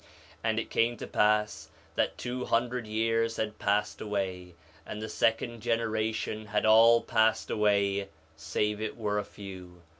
4 Nephi 1:22 And it came to pass that two hundred years had passed away; and the second generation had all passed away save it were a few.